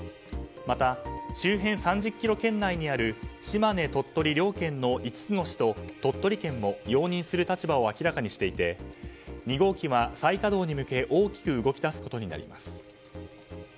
また、周辺３０ｋｍ圏内にある島根、鳥取両県の５つの市と鳥取県も容認する立場を明らかにしていて２号機は再稼働に向け大きく動き出すことになります。